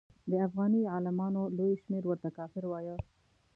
د افغاني عالمانو لوی شمېر ورته کافر وایه.